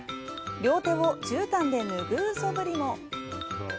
両手をじゅうたんで拭うそぶりも。